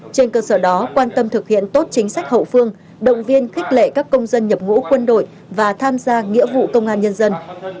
trên cơ sở đó quan tâm thực hiện tốt chính sách hậu phương động viên khích lệ các công dân nhập ngũ quân đội và tham gia nghĩa vụ công an nhân dân